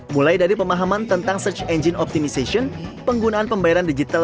mulai dari pemahaman tentang search engine optimization penggunaan pembayaran digital